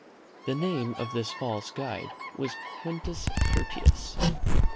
The name of this false guide was Quintus Curtius.